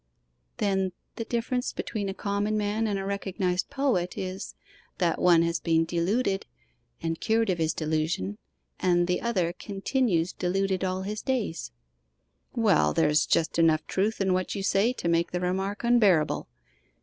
'Then the difference between a common man and a recognized poet is, that one has been deluded, and cured of his delusion, and the other continues deluded all his days.' 'Well, there's just enough truth in what you say, to make the remark unbearable.